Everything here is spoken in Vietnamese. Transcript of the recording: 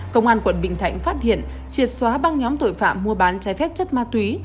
công an tp hcm phát hiện triệt xóa bằng nhóm tội phạm mua bán chai phép chất ma túy